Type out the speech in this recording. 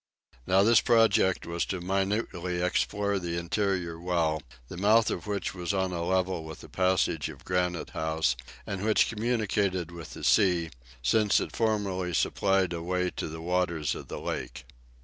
Now this project was to minutely explore the interior well, the mouth of which was on a level with the passage of Granite House, and which communicated with the sea, since it formerly supplied a way to the waters of the lake.